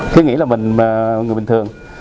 chứ nghĩ là mình người bình thường